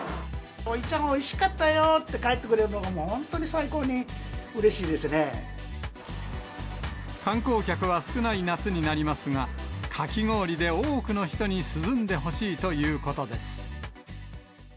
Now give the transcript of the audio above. おじちゃん、おいしかったよって言って帰ってくれるのが本当に最高にうれしい観光客は少ない夏になりますが、かき氷で多くの人に涼んでほしいということです。